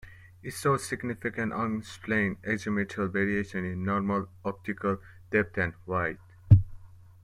It shows significant unexplained azimuthal variations in normal optical depth and width.